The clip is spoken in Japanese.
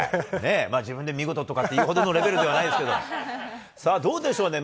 自分で見事とかって言うほどのレベルではないですけど、さあ、どうでしょうね。